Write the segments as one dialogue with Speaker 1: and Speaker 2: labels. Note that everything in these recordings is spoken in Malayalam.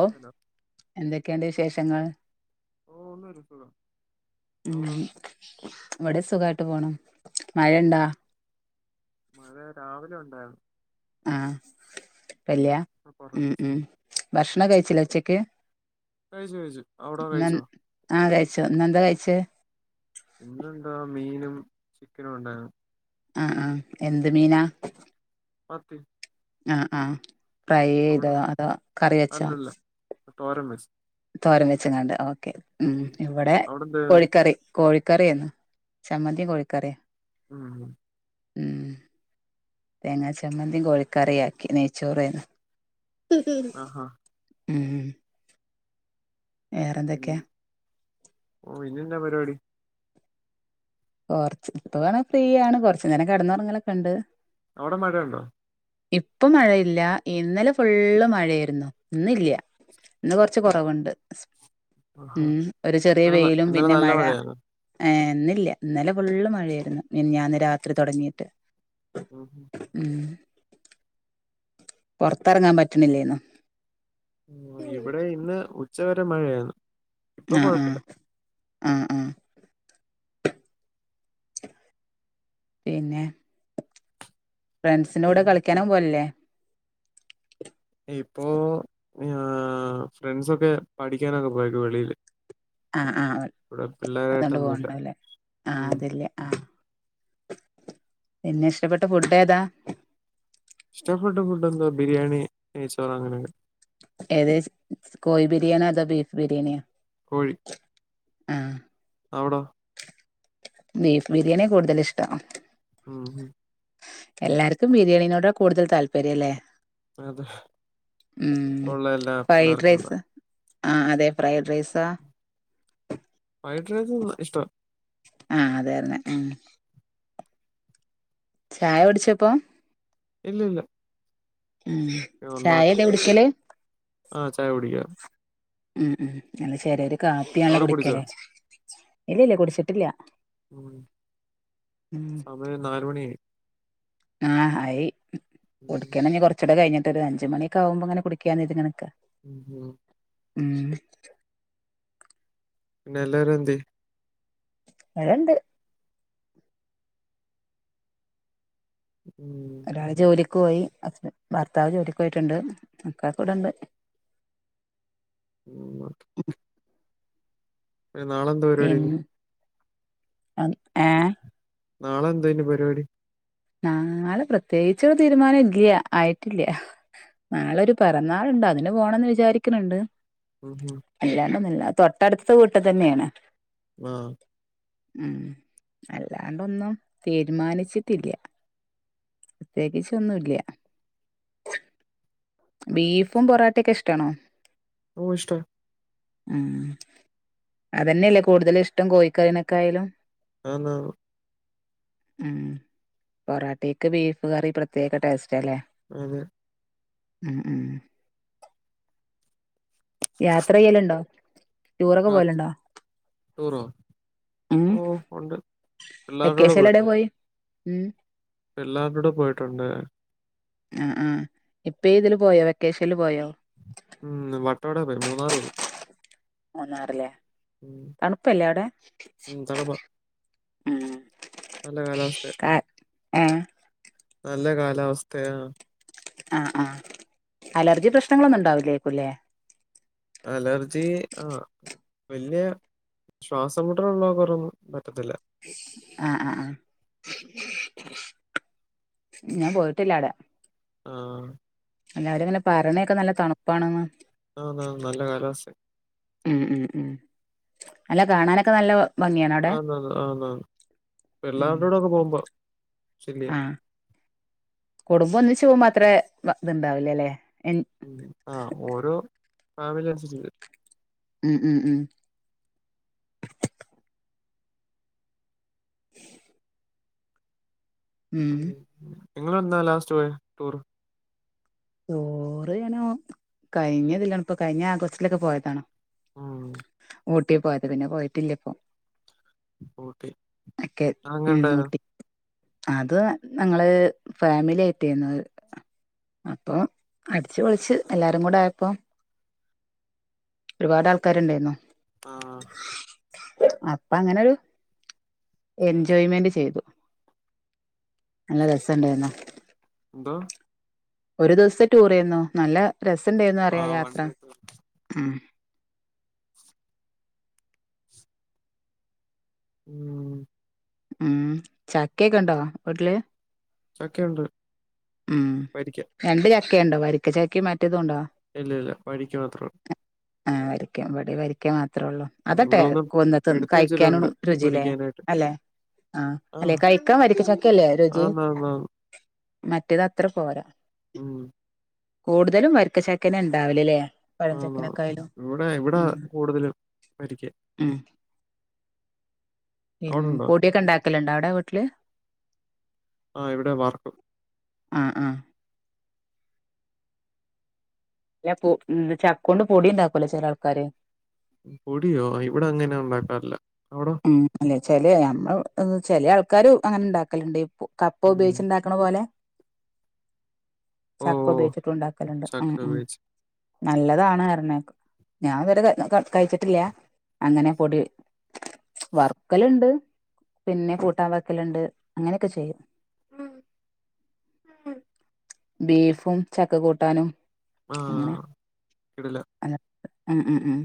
Speaker 1: ഒഹ്
Speaker 2: ഹലോ
Speaker 1: എന്തെക്കേണ്ട് വിശേഷങ്ങള്
Speaker 2: ഓ ഒന്നുല്ല സുഖം
Speaker 1: ഉം
Speaker 2: അവിടോ
Speaker 1: വടെ സുഖായിട്ട് പോണു മഴേണ്ടാ
Speaker 2: മഴ രാവിലെ ഉണ്ടാ
Speaker 1: ആന് പ്പല്യാ
Speaker 2: ഇപ്പ കൊറഞ്ഞു
Speaker 1: ഉം ഉം ഭക്ഷണം കഴിച്ചിലേ ഉച്ചക്ക്
Speaker 2: കഴിച്ചു കഴിച്ചു അവിടോ
Speaker 1: ന്നന്ന്
Speaker 2: കഴിച്ചോ
Speaker 1: ആഹ് കഴിച്ചു ഇന്നന്താ കയ്ച്ചേ
Speaker 2: ഇന്നന്താ മീനും ചിക്കനോണ്ടാ
Speaker 1: അഹ് ആഹ് എന്ത് മീനാ
Speaker 2: മത്തി
Speaker 1: ആഹ് ആഹ് ഫ്രൈ ചെയ്തോ അതോ കറി വെച്ചാ
Speaker 2: തോരെൻ വച്ച
Speaker 1: തോരം വെച്ച കണ്ട് ഓക്കേ ഉം ഇവിടെ
Speaker 2: അവിടെന്തായിരുന്നു
Speaker 1: കോഴിക്കറി കോഴിക്കറിയന്ന് ചമ്മന്തി കോഴിക്കറിയ
Speaker 2: ഉം
Speaker 1: ഉം തേങ്ങാ ചമ്മന്തിയും കോഴിക്കറീ ആക്കി നെയ്ച്ചോറ്ന്ന്
Speaker 2: ആഹാ
Speaker 1: ഉം
Speaker 2: ഉം
Speaker 1: വേറെന്തൊക്കെയാ
Speaker 2: ഓഹ് ഇന്നന്താ പരിപാടി
Speaker 1: കൊറച്ച് ഇപ്പ വേണ ഫ്രീയണ് കുറച്ച് നേരം കിടന്നുറങ്ങലൊക്കെണ്ട്
Speaker 2: അവിടെ മഴ ഉണ്ടോ
Speaker 1: ഇപ്പൊ മഴയില്ല ഇന്നലെ ഫുള്ള് മഴയിരുന്നു ഇന്നില്ല ഇന്ന് കുറച്ച് കുറവുണ്ട്
Speaker 2: ആഹാ
Speaker 1: ഉം ഒരു ചെറിയ
Speaker 2: ഇന്നലെ ന-
Speaker 1: വെയിലും
Speaker 2: ഇന്നലെ
Speaker 1: പിന്നെ
Speaker 2: നല്ല
Speaker 1: മഴ
Speaker 2: മഴയായിരുന്നു
Speaker 1: ഏഹ് ഇന്ന് ഇല്ല ഇന്നലെ ഫുള്ള് മഴയായിരുന്നു മിഞ്ഞാന്ന് രാത്രി തുടങ്ങിയിട്ട്
Speaker 2: [unintelligible]
Speaker 1: ഉം പുറത്തിറങ്ങാൻ പറ്റണില്ലേന്നു
Speaker 2: ഇവിടെ ഇന്ന് ഉച്ചവരെ മഴയരുന്നു
Speaker 1: ആഹ് ആഹ് ആഹ് ആഹ് പിന്നെ ഫ്രണ്ട്സിന്റെ കൂടെ
Speaker 2: പിന്നെ
Speaker 1: കളിക്കാനും പോലല്ലേ
Speaker 2: ഇപ്പോ ഫ്രണ്ട്സൊക്കെ പഠിക്കാനൊക്കെ പോയക്ക വെളിൽ
Speaker 1: ആഹ് ആഹ് അതൊണ്ട്
Speaker 2: പിള്ളേരായിട്ടൊന്നുമില്ല
Speaker 1: പോണ്ടാവലേ ആഹ്
Speaker 2: ഉം
Speaker 1: അതല്ലേ ആഹ് പിന്നെ ഇഷ്ടപ്പെട്ട ഫുഡ് ഏതാ
Speaker 2: ഇഷ്ടപ്പെട്ട ഫുഡ് എന്തോ ബിരിയാണി നേയ്ച്ചോറ് അങ്ങനെെക്കെ
Speaker 1: ഏത് കോയി ബിരിയാണ അത് ബീഫ ബിരിയണിയ
Speaker 2: കോഴി അവിടോ
Speaker 1: ബീഫ് ബിരിയാണി കൂടുതൽ ഇഷ്ട്ടം
Speaker 2: ഉം ഉം
Speaker 1: എല്ലാർക്കും ബിരിയാണിനോട് കൂടുതൽ താല്പര്യംല്ലേ
Speaker 2: അതെ ഇപ്പള്ള എല്ലാ പിള്ളേർക്ക് അതാ
Speaker 1: ആഹ് അതെ ഫ്രൈഡ് റൈസാ
Speaker 2: ഫ്രൈഡ് റൈസും ഇഷ്ടവാ
Speaker 1: ആഹ് അതെ അതെ ചായ കുടിചോ ഇപ്പോ
Speaker 2: ഇല്ലില്ല
Speaker 1: ഉം
Speaker 2: ഉണ്ടാക്കണം
Speaker 1: ചായല്ലേ കുടിക്കല്
Speaker 2: ആഹ് ചായ കുടിക്കൻ
Speaker 1: ഉം ഉം അല്ല ശരി ഒരു കാപ്പി ആണല്ലോ
Speaker 2: അവിടെ കുടിച്ചോ?
Speaker 1: കുടിക്കലേ ഇല്ലല്ല കുടിച്ചിട്ടില്ല
Speaker 2: [unintelligible]
Speaker 1: ഉം
Speaker 2: സമയം നാല് മണിയായി
Speaker 1: ആഹ് ആയി
Speaker 2: ഉം.
Speaker 1: കൊടക്കണന്നേ കൊറ കൊറച്ചൂടെ കഴിഞ്ഞിട്ട് ഒരഞ്ച് മണിക്കകുമ്പ ഇങ്ങനെ കുടിക്കാൻന്ന് കരുതി ഇങ്ങനക്കെ
Speaker 2: ഉം ഉം
Speaker 1: ഉം
Speaker 2: പിന്നെ എല്ലാരും എന്ത്യേ
Speaker 1: വടെ ണ്ട്
Speaker 2: ഉം.
Speaker 1: ഒരാള് ജോലിക്ക് പോയി ഹസ്ബൻ ഭർത്താവ് ജോലിക്ക് പോയ്ട്ട്ണ്ട് മക്കളൊക്കെ വ്ടെണ്ട്
Speaker 2: [unintelligible] ഇയ്യ് നാളെ ന്ത് പരിവാടിയ്യുന്നു
Speaker 1: അം ഏ
Speaker 2: നാളെ എന്തെയ്നു പരിവാടി
Speaker 1: ആ നാളെ പ്രത്യേകിച്ച് ഒര് തീരുമാനം ഇല്യ ആയിട്ട് ല്ല്യ നാളൊരു പെറന്നാള്ണ്ട് അതിന് പോണംന്ന് വിചാരിക്ക്ണ് ണ്ട്
Speaker 2: ഉം ഉം
Speaker 1: അല്ലാണ്ടൊന്നുല്ല തൊട്ടടുത്ത വീട്ട് തന്നെയാണ്
Speaker 2: ആഹ്
Speaker 1: ഉം അല്ലാണ്ടൊന്നും തീരുമാനിച്ചിട്ടില്ല്യ പ്രത്യേകിച്ചൊന്നും ല്ല്യാ ബീഫും പൊറാട്ടെക്കെ ഇഷ്ടാണോ?
Speaker 2: ഓ ഇഷ്ട്ടാണ്
Speaker 1: ഉം അതന്നെയല്ലേ കൂടുതലിഷ്ടം കോയിക്കറിനെക്കായ്ലും
Speaker 2: ആന്ന് ആന്ന്
Speaker 1: ഉം പൊറാട്ടീക്ക് ബീഫ് കറി പ്രത്യേക ടേസ്റ്റാ ലേ
Speaker 2: അതെ
Speaker 1: ഉം ഉം യാത്ര യ്യലുണ്ടോ
Speaker 2: യാത് ടൂറോ
Speaker 1: ഉം
Speaker 2: ഓ ഉണ്ട് പിള്ളാരൂടെ
Speaker 1: വെക്കേഷനിൽ എവിടെ
Speaker 2: പോയിട്ടുണ്ട്
Speaker 1: പോയി ഉം
Speaker 2: പിള്ളാരുടെ പോയിട്ടുണ്ട്
Speaker 1: ആ ആ ഇപ്പ ഈ തില് പോയോ വെക്കേഷൻല് പോയോ?
Speaker 2: ഉം വട്ടവട പോയിര്ന്ന് മൂന്നാറ് പോയി
Speaker 1: മൂന്നാറ് ല്ലേ
Speaker 2: ഉം.
Speaker 1: തണുപ്പല്ലേ അവ്ടെ
Speaker 2: ഉം തണുപ്പാ
Speaker 1: ഉം
Speaker 2: നല്ല കാലാവസ്ഥയ
Speaker 1: കാ ഏഹ്
Speaker 2: നല്ല കാലാവസ്ഥയാ
Speaker 1: ആ ആ അലർജി പ്രശ്നങ്ങളൊന്നും ഉണ്ടാവൂലേര്ക്കു ലേ
Speaker 2: അലർജി ആ വല്യ ശ്വാസം മുട്ടലുള്ളവർക്കൊന്നും പറ്റത്തില്ല
Speaker 1: ആ ആ ആ ഞാൻ പോയ്ട്ടില്ല അടേ
Speaker 2: ആഹ്
Speaker 1: എല്ലാവരുംങ്ങനെ പറിണേക്ക നല്ല തണുപ്പാണെന്ന്
Speaker 2: ആന്ന് ആന്ന് നല്ല കാലാവസ്ഥയാ
Speaker 1: ഉം ഉം ഉം അല്ല കാണാനൊക്കെ നല്ല ഭംഗിയാണ് അവിടെ
Speaker 2: ആന്ന് ആന്ന് ആന്ന് ആന്ന് പിള്ളാര്ടെ കൂടെ ഒക്കെ പോകുമ്പോ
Speaker 1: ആ കുടുംബം ഒന്നിച്ച് പോവുമ്പോ അത്രേ വ ത് ണ്ടാവുല്ല ലേ എൻ
Speaker 2: ഉം ആ ഓരോ ഫാമിലി അൻസര്ച്ച് വെരും
Speaker 1: ഉം ഉം ഉം [inaudible] ഉം
Speaker 2: നിങ്ങളെന്നാ ലാസ്റ്റ് പോയെ ട്ടൂറ്
Speaker 1: ടൂറ് ഞാനോ കഴിഞ്ഞതില്ലാണ് ഇപ്പൊ കഴിഞ്ഞ ആഗസ്റ്റിലൊക്കെ പോയതാണ്
Speaker 2: ഉം
Speaker 1: ഊട്ടി പോയത് പിന്നെ പോയിട്ടില്ലേ ഇപ്പോ
Speaker 2: ഊട്ടി
Speaker 1: ഒക്കെ
Speaker 2: അതെങ്ങനെ
Speaker 1: ഉം
Speaker 2: ഉണ്ടായിരുന്നു
Speaker 1: ഊട്ടി അത് ഞങ്ങള് ഫാമിലി ആയിട്ടാരുന്നു അപ്പൊ അടിച്ച് പൊളിച്ച് എല്ലാരും കൂടെ ആയപ്പോ ഒരുപാട് ആൾക്കാരുണ്ടായിരുന്നു
Speaker 2: ആഹ്
Speaker 1: അപ്പൊ അങ്ങനൊരു എൻജോയ്മെന്റ് ചെയ്തു നല്ല രസുണ്ടായിരുന്നു
Speaker 2: എന്തോ
Speaker 1: ഒരു ദിവസത്തെ ടൂറ് ആരുന്നോ നല്ല രസണ്ടായിന്ന് അറിയാ
Speaker 2: ആഹ് വൺ
Speaker 1: യാത്ര
Speaker 2: ഡേ ടൂർ
Speaker 1: ഉം
Speaker 2: ഉം
Speaker 1: ഉം ചക്കയൊക്കെ ഉണ്ടോ വീട്ടില്
Speaker 2: ചക്ക ഉണ്ട്
Speaker 1: ഉം
Speaker 2: വരിക്ക
Speaker 1: രണ്ട് ചക്കയുണ്ടോ വരിക്ക ചക്കയും മറ്റേതും ഉണ്ടോ
Speaker 2: ഇല്ല ഇല്ല വഴിക്ക് മാത്രേള്ളു
Speaker 1: ആഹ് വരക്കാൻ ഇവിടെ വരക്കാൻ മാത്രേ ഉള്ളൂ അതട്ടെ
Speaker 2: ഇവിടെ ഒന്ന്
Speaker 1: കൊന്നത്ത്
Speaker 2: എടുത്ത്
Speaker 1: കഴിക്കാനും
Speaker 2: വെച്ചിട്ടുണ്ട്
Speaker 1: രുചില്ലേ
Speaker 2: പൊരിക്കാനായിട്ട്
Speaker 1: അല്ലെ ആഹ് അല്ലെ കഴിക്കാൻ വരിക്കച്ചയക്കല്ലേ രുചി
Speaker 2: ആന്നാന്നാന്ന്
Speaker 1: മറ്റേത് അത്ര പോരാ
Speaker 2: ഉം
Speaker 1: കൂടുതലും വരിക്ക ചക്കയന്നാ ഉണ്ടാവലല്ലേ
Speaker 2: ആണോ
Speaker 1: പഴഞ്ചക്കനക്കായാലും
Speaker 2: ഇവിടെ ഇവിടെ
Speaker 1: ഉം
Speaker 2: കൂടുതലും വരിക്കയാ
Speaker 1: ഉം
Speaker 2: അവിടുണ്ടോ
Speaker 1: പൊടിയൊക്കെ ഉണ്ടാക്കലുണ്ടോ അവിടെ വീട്ടില്
Speaker 2: ആഹ് ഇവിടെ വർക്ക്
Speaker 1: ആഹ് ആഹ് ഞാ പോ ചക്ക കൊണ്ട് പൊടി ഉണ്ടാക്കൂലോ ചില ആൾക്കാര്
Speaker 2: പൊടിയോ ഇവിടെ അങ്ങനെ ഉണ്ടാക്കാറില്ല അവിടൊ
Speaker 1: ഉം അല്ലെ ചെ നമ്മ ചില ആൾക്കാര് അങ്ങനെ ഉണ്ടാക്കലുണ്ട് ഈ കപ്പ
Speaker 2: ഉം
Speaker 1: ഉപയോഗിച്ചുണ്ടാ ക്കണ പോലെ
Speaker 2: ഓ
Speaker 1: ചക്ക ഉപയോഗിച്ചിട്ട് ഉണ്ടാക്കലുണ്ട്
Speaker 2: ചക്ക
Speaker 1: ഉം ഉം
Speaker 2: ഉപയോഗിച്ച്
Speaker 1: നല്ലതാണ് പറഞ്ഞെ ഞാൻ ഇതുവരെ കഴിച്ചിട്ടില്ല അങ്ങനെ പൊടി വറക്കലുണ്ട് പിന്നെ കൂട്ടാൻ വെക്കലുണ്ട് അങ്ങനെയൊക്കെ ചെയ്യും ബീഫും ചക്ക കൂട്ടാനും
Speaker 2: ആ
Speaker 1: അങ്ങനെ
Speaker 2: കിടിലം
Speaker 1: ഉം ഉം ഉം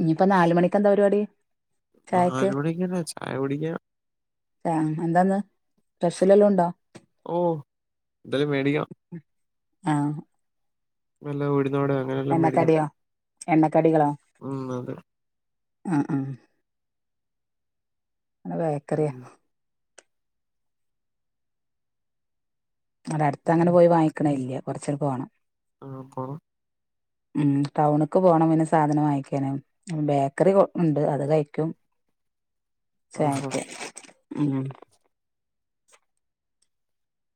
Speaker 1: ഇനിയിപ്പോ നാല് മണിക്ക് എന്താ പരിപാടി ചായക്ക്
Speaker 2: നാല് മണിക്ക് എന്നാ ചായ കുടിക്കാ
Speaker 1: ആഹ് എന്താന്ന് സ്പെഷ്യല് വല്ലോ ഉണ്ടോ
Speaker 2: ഓ എന്തായാലും മേടിക്കണം
Speaker 1: ആഹ്
Speaker 2: നല്ല ഉഴുന്നോടയാ
Speaker 1: എണ്ണക്കടിയോ എണ്ണക്കടികളോ
Speaker 2: ഉം അതെ
Speaker 1: ഉം ഉം അത് ബേക്കറിയ
Speaker 2: ഉം.
Speaker 1: അവടെ അടുത്ത് അങ്ങനെ
Speaker 2: ഉം.
Speaker 1: പോയി വാങ്ങിക്കണ ഇല്ല കൊറച്ചൂടി പോകണം
Speaker 2: ആഹ് പറ
Speaker 1: ഉം ടൗണക്ക് പോണം പിന്നെ സാധനം വാങ്ങിക്കാന് ബേക്കറി ഉണ്ട് അത് കഴിക്കും
Speaker 2: ആഹാ
Speaker 1: ചായക്ക് ഉം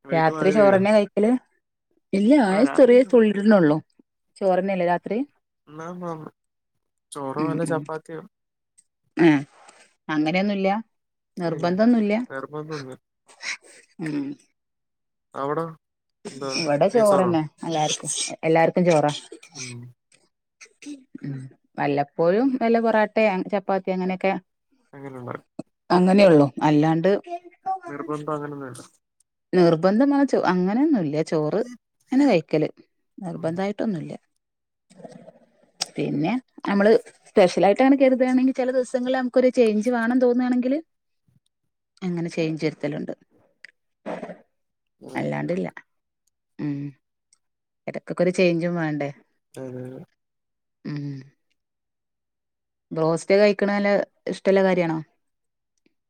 Speaker 2: വൈകിട്ട് മഴ
Speaker 1: രാത്രി
Speaker 2: പെയ്യോ
Speaker 1: ചോറെന്നെ കഴിക്കല് ഇല്ല
Speaker 2: ആ രാത്രി
Speaker 1: ആയസ്ത്രിയ
Speaker 2: കാണാം
Speaker 1: തുള്ളി തിന്നുള്ളൂ ചോറന്നെല്ലെ രാത്രി
Speaker 2: [unintelligible] ചോറോ അല്ലെ ചപ്പാത്തിയൊ
Speaker 1: ആഹ് അങ്ങനെയൊന്നുല്ല
Speaker 2: ഏയ്
Speaker 1: നിർബന്ധോന്നുല്ല
Speaker 2: നിർബന്ധമൊന്നുമില്ല
Speaker 1: ഉം
Speaker 2: അവിട
Speaker 1: ഇവിടെ ചോറന്നെ എല്ലാര്ക്കും എല്ലാർക്കും ചോറാ
Speaker 2: ഉം
Speaker 1: ഉം വല്ലപ്പോഴും വല്ല പൊറാട്ട ചപ്പാത്തി അങ്ങനെക്കെ
Speaker 2: അങ്ങനെ ഉണ്ണാറ്
Speaker 1: അങ്ങനെ ഉള്ളൂ അല്ലാണ്ട്
Speaker 2: നിർബന്ധം അങ്ങനെന്നും ഇല്ല
Speaker 1: നിർബന്ധം ന്നാ ച്ചോ അങ്ങനെന്നുംല്ല ചോറ് അങ്ങനെ കഴിക്കല്
Speaker 2: ഉം
Speaker 1: നിർബന്ധായി ട്ടൊന്നുല്ല പിന്നെ നമ്മള് സ്പെഷ്യലായിട്ട് അങ്ങനെ കരുതാണെങ്കി ചില ദിവസങ്ങൾല് അം ക്കൊരു ചേഞ്ച് വേണം തോന്ന്ആണെങ്കില് അങ്ങനെ ചേഞ്ച് വരുത്തലുണ്ട്
Speaker 2: ഓക്കെ
Speaker 1: അല്ലാണ്ടില്ല ഉം ഇടക്കൊക്കെ ഒരു ചേഞ്ചും വേണ്ടേ
Speaker 2: [unintelligible]
Speaker 1: ഉം ബ്രോസ്റ്റ് കഴിക്കണല് ഇഷ്ടല്ല കാര്യാണോ?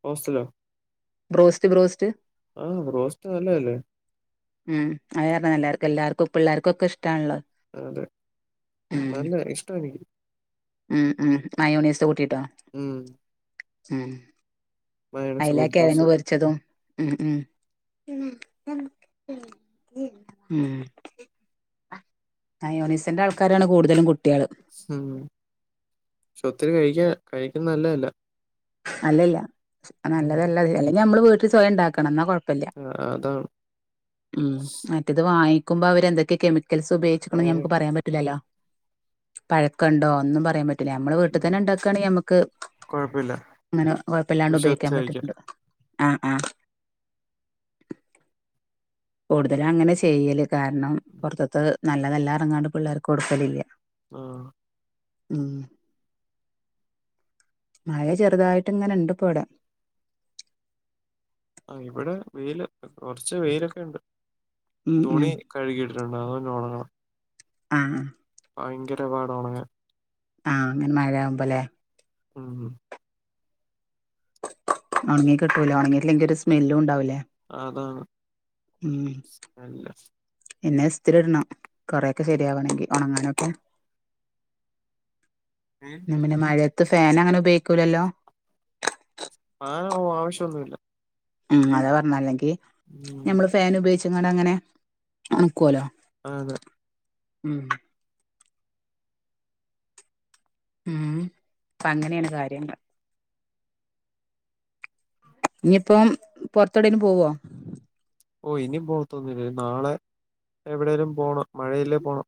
Speaker 2: ഹോസ്റ്റലോ
Speaker 1: ബ്രോസ്റ്റ് ബ്രോസ്റ്റ്
Speaker 2: ആഹ് ബ്രോസ്റ്റ് നല്ലല്ലേ
Speaker 1: ഉം അത്കാർണം എല്ലാർക്കു എല്ലർക്കും പിള്ളേർക്കും ഒക്കെ ഇഷ്ടാണല്ലോ
Speaker 2: അതെ
Speaker 1: ഉം
Speaker 2: നല്ല ഇഷ്ട എനിക്ക്
Speaker 1: ഉം ഉം മയോനൈസ് കൂട്ടിയിട്ടോ
Speaker 2: ഉം
Speaker 1: ഉം
Speaker 2: മയോണൈസ്
Speaker 1: അതിലാ
Speaker 2: കുബ്ബൂസ്
Speaker 1: കിഴങ്ങ് പൊരിച്ചതും ഉം ഉം ഉം മായോണീസന്റെ ആൾക്കാരാണ് കൂടുതലും കുട്ടിയാള്
Speaker 2: ഉം പക്ഷെ ഒത്തിരി കഴിക്ക്യ കഴിക്കുന്നത് നല്ലതല്ല
Speaker 1: അല്ലല്ല
Speaker 2: ഉം
Speaker 1: നല്ലതല്ല അല്ലെങ്കിൽ നമ്മള് വീട്ടിൽ സ്വയം ഉണ്ടാക്കണം എന്നാ കൊയപ് പ്പല്ല
Speaker 2: ആ, അതാണ്
Speaker 1: ഉം മറ്റ് റ്റിത് വാങ്ങിക്ക്മ്പൊ അവരെന്തൊക്കെ കെമിക്കൽസ് ഉപയോഗിച്ചിക്ക്ണ്ന്ന്
Speaker 2: അതെ
Speaker 1: ഞമുക്ക് പറയാൻ പറ്റില്ലല്ലോ പഴക്കണ്ടോ ഒന്നും പറയാൻ പറ്റൂല്ല ഞമ്മള് വീട്ടിൽ തന്നെ ഉണ്ടാക്കയാണെങ്കിൽ ഞമുക്ക്
Speaker 2: കുഴപ്പില്ല
Speaker 1: അങ്ങനെ കുഴപ്പില്ലാണ്ട് ഉപയോഗിക്കാൻ പറ്റുന്നുണ്ട് ആഹ് ആഹ് കൂടുതലും അങ്ങനെ ചെയ്യല് കാരണം പുറത്തത്ത് നല്ലതല്ല പറഞ്ഞിട്ട് പിള്ളേർക്ക് കൊടുക്കലില്ല
Speaker 2: ആഹ്
Speaker 1: ഉം മഴ ചെറുതായിട്ട് ഇങ്ങനെ ഇണ്ട്പ്പ് വിടെ
Speaker 2: ആഹ് ഇവിടെ വെയില് കുറച്ച് വെയിലൊക്കെ ഉണ്ട്
Speaker 1: ഉം ഉം
Speaker 2: തുണി കഴുകിയിട്ടുണ്ട് അതൊന്നു ഉണങ്ങണം
Speaker 1: ആഹ്
Speaker 2: ഭയങ്കര പാടൊണങ്ങാൻ
Speaker 1: ആഹ് അങ്ങനെ മഴയാവുമ്പോ അല്ലേ
Speaker 2: ഉം
Speaker 1: ഒണങ്ങി കിട്ടൂല ഒണങ്ങിലെങ്കി ഒരു സ്മെല്ലും ഉണ്ടാവില്ലേ
Speaker 2: അതാണ് സ്മെല്
Speaker 1: പിന്നെ ഇസ്തിരിഇടണം കൊറെക്കെ ശരിയാവണെങ്കിൽ ഒണങ്ങാനൊക്കെ
Speaker 2: ഉം
Speaker 1: എന്നാപ്പിന്നെ മഴത്ത് ഫാൻ അങ്ങനെ ഉപയോഗിക്കൂല്ലല്ലോ
Speaker 2: ഫാൻ ഓ ആവശ്യംന്നുല്ല
Speaker 1: ഉം അതാ പറഞ്ഞ അല്ലെങ്കി
Speaker 2: ഉം
Speaker 1: ഞമ്മള് ഫാൻ ഉപയോഗിച്ചങ്ങാണ്ട് അങ്ങനെ ഒണക്കുവല്ലോ.
Speaker 2: അതെ
Speaker 1: ഉം ഉം അപ്പ അങ്ങനെയാണ് കാര്യങ്ങൾ ഇനിയിപ്പം പുറത്തോടെലും പോവോ
Speaker 2: ഓഹ് ഇനി പോത്തൊന്നില്ല നാളെ എവിടേലും പോണം മഴയില്ലേ പോണം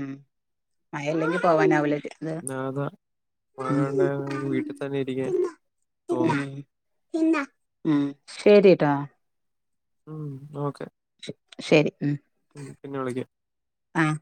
Speaker 1: ഉം അയർലൻഡിൽ പോവാനാവില്ലക്ക്‌ ലെ
Speaker 2: ആ, അതാ മഴ
Speaker 1: ഉം
Speaker 2: ഉണ്ടായിരുന്നെങ്കിൽ വീട്ടിൽ തന്നെ ഇരിക്കാൻ
Speaker 1: ഉം
Speaker 2: തോന്നും
Speaker 1: ഉം ശരിട്ടാ
Speaker 2: ഉം ഓക്കെ
Speaker 1: ശരി ഉം
Speaker 2: ഉം പിന്നെ വിളിക്കാം
Speaker 1: ആഹ്